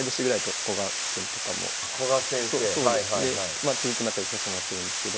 まあすごく仲良くさせてもらってるんですけど。